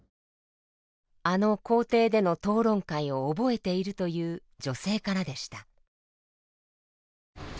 あの校庭での討論会を覚えているという女性からでした。